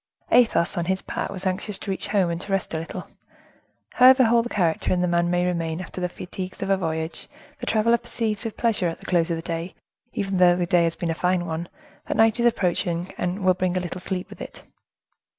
Athos, on his part, was anxious to reach home and to rest a little. However whole the character and the man may remain after the fatigues of a voyage, the traveler perceives with pleasure, at the close of the day—even though the day has been a fine one—that night is approaching, and will bring a little sleep with it.